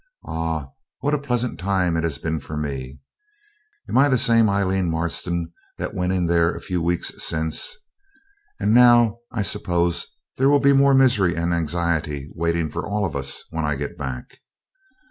Ah! what a pleasant time it has been for me. Am I the same Aileen Marston that went in there a few weeks since? And now I suppose there will be more misery and anxiety waiting for all of us when I get back.